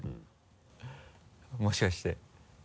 もしかして。